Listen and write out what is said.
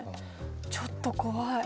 ちょっと怖い。